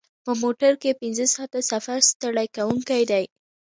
په موټر کې پنځه ساعته سفر ستړی کوونکی دی.